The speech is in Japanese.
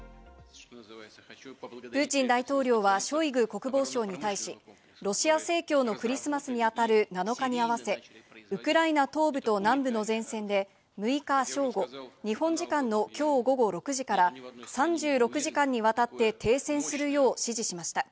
プーチン大統領はショイグ国防相に対し、ロシア正教のクリスマスに当たる７日に合わせ、ウクライナ東部と南部の前線で６日正午、日本時間の今日午後６時から３６時間にわたって停戦するよう指示しました。